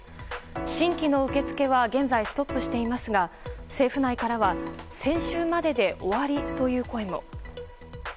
新規の受け付けは現在ストップしていますが政府内からは先週までで終わりという声も。